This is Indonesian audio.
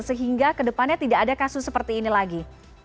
sehingga kedepannya tidak ada kasus seperti ini lagi